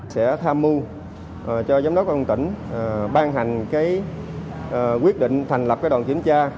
sẽ tham mưu cho giám đốc quân tỉnh ban hành quyết định thành lập đoàn kiểm tra